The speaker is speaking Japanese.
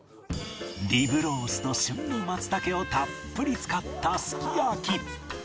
リブロースと旬の松茸をたっぷり使ったすき焼き